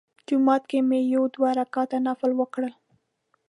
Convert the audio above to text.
جومات کې مې یو دوه رکعته نفل وکړل.